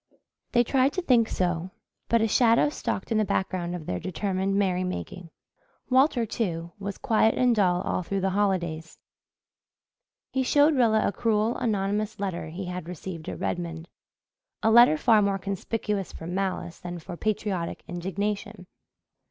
They tried to think so, but a shadow stalked in the background of their determined merrymaking. Walter, too, was quiet and dull, all through the holidays. He showed Rilla a cruel, anonymous letter he had received at Redmond a letter far more conspicuous for malice than for patriotic indignation.